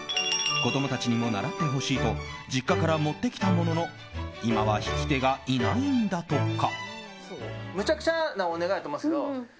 子供たちにも習ってほしいと実家から持ってきたものの今は弾き手がいないんだとか。